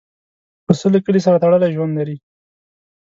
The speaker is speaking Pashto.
پسه له کلي سره تړلی ژوند لري.